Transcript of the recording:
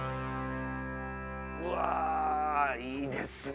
うわいいですね。